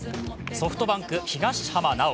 ソフトバンク・東浜巨。